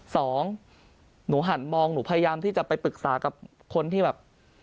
สองหนูหันมองหนูพยายามที่จะไปปรึกษากับคนที่แบบ